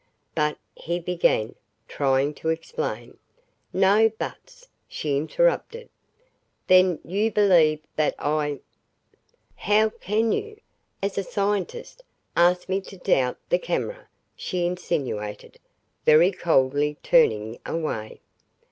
"But," he began, trying to explain. "No buts," she interrupted. "Then you believe that I " "How can you, as a scientist, ask me to doubt the camera," she insinuated, very coldly turning away.